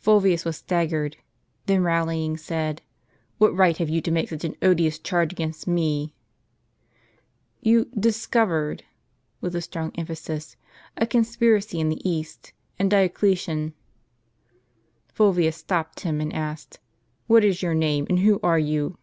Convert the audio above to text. Fulvius was staggered; then rallying, said, "What right have you to make such an odious charge against me ?" "You discoverecV' (with a strong emphasis) "a conspiracy in the East, and Dioclesian —" Fulvius stopped him, and asked, " What is your name, and who are you